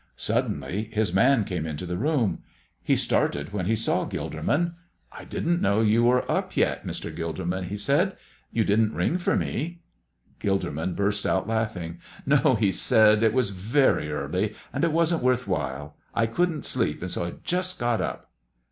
Suddenly his man came into the room. He started when he saw Gilderman. "I didn't know you were up yet, Mr. Gilderman," he said. "You didn't ring for me." Gilderman burst out laughing. "No," he said, "it was very early, and it wasn't worth while. I couldn't sleep, and so I just got up."